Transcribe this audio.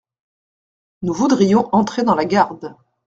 »Nous voudrions entrer dans la garde.